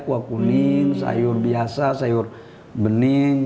kuah kuning sayur biasa sayur bening